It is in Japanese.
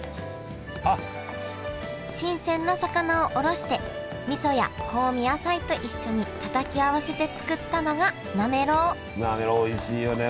新鮮な魚をおろしてみそや香味野菜と一緒にたたき合わせて作ったのがなめろうおいしいよね。